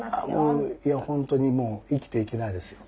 いや本当にもう生きていけないですよ。